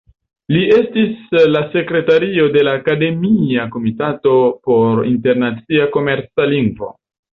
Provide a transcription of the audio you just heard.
Li estis la sekretario de la Akademia Komitato por Internacia Komerca Lingvo.